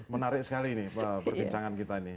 menarik sekali ini perbincangan kita ini